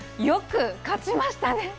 よく勝ちましたね！